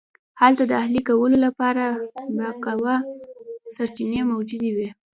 هلته د اهلي کولو لپاره بالقوه سرچینې موجودې وې